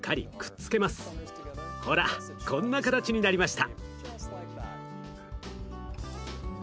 ほらこんな形になりました。